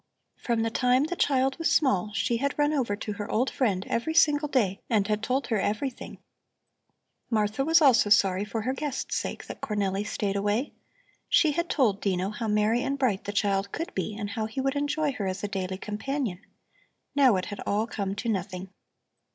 From the time the child was small, she had run over to her old friend every single day and had told her everything. Martha was also sorry for her guest's sake that Cornelli stayed away. She had told Dino how merry and bright the child could be and how he would enjoy her as a daily companion. Now it had all come to nothing.